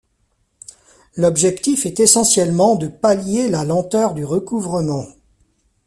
L'objectif est essentiellement de pallier la lenteur du recouvrement.